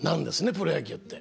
プロ野球って。